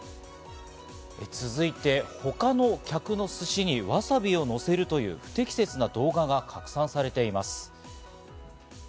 続いて、他の客の寿司にわさびをのせるという不適切な動画が拡散されてます。